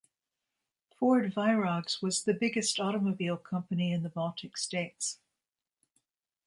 Ford-Vairogs was the biggest automobile company in the Baltic states.